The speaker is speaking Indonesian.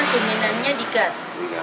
dominannya di gas